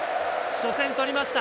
初戦、とりました。